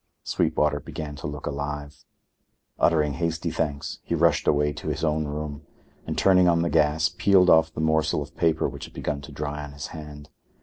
Sweetwater began to look alive. Uttering hasty thanks, he rushed away to his own room and, turning on the gas, peeled off the morsel of paper which had begun to dry on his hand.